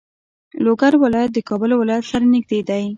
لوګر ولایت د کابل ولایت سره نږدې دی.